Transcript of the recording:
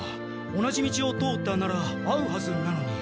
同じ道を通ったなら会うはずなのに。